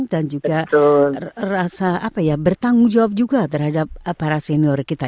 dan juga rasa bertanggung jawab juga terhadap para senior kita